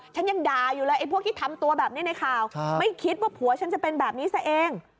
ฉันยังด่าอยู่เลยไอ้พวกที่ทำตัวแบบนี้ในข่าวไม่คิดว่าผัวฉันจะเป็นแบบนี้ซะเอง